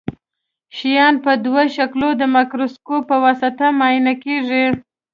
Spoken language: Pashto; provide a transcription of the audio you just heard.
شیان په دوه شکلو د مایکروسکوپ په واسطه معاینه کیږي.